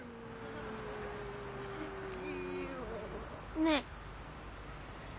ねえ。